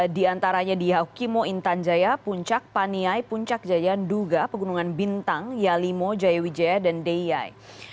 di antaranya di yahukimo intan jaya puncak paniai puncak jaya duga pegunungan bintang yalimo jayawijaya dan deyai